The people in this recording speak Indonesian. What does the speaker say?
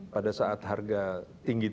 pada saat harga tinggi